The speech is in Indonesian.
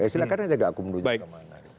silahkan aja nggak aku menunjukkan